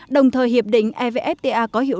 đồng thời hiệp định evfta